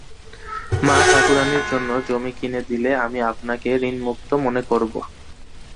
মা-ঠাকুরাণীর জন্য জমি কিনে দিলে আমি আপনাকে ঋণমুক্ত মনে করব।